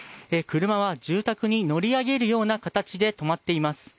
車は住宅に乗り上げるような形で止まっています。